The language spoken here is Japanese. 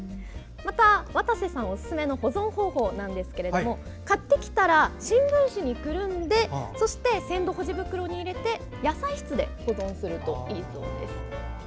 また、渡瀬さんおすすめの保存方法ですが買ってきたら新聞紙にくるんでそして鮮度保持袋に入れて野菜室で保存するといいそうです。